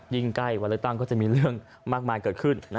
ใกล้วันเลือกตั้งก็จะมีเรื่องมากมายเกิดขึ้น